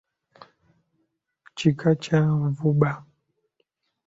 Kika kya Nvuba.